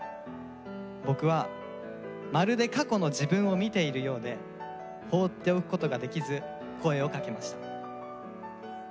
僕はまるで過去の自分を見ているようで放っておくことができず声をかけました。